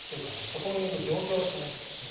そこにいる状況を示すと。